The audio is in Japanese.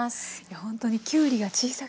ほんとにきゅうりが小さくてね